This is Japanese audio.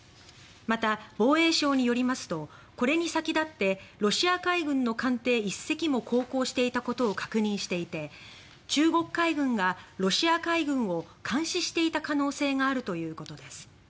また、防衛省によりますとこれに先立ってロシア海軍の艦艇１隻も航行していたことを確認していて中国海軍がロシア海軍を監視していた可能性があるということです。